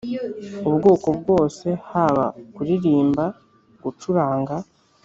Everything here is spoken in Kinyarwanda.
ubwoko bwose haba kuririmba, gucuranga,